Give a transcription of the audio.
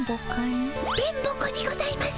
電ボ子にございます。